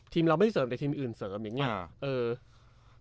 เราไม่เสริมแต่ทีมอื่นเสริมอย่างนี้